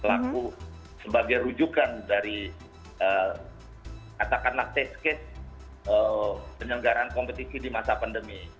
pelaku sebagai rujukan dari katakanlah test case penyelenggaraan kompetisi di masa pandemi